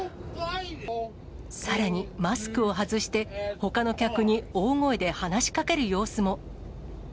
さらにマスクを外して、ほかの客に大声で話しかける様子も。